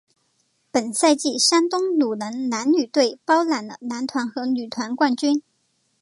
本赛季山东鲁能男女队包揽了男团和女团冠军。